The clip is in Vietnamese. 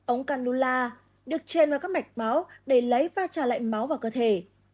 ống cannula được trên vào các mạch máu để lấy và trả lại máu vào cơ thể